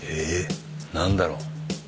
何だろう？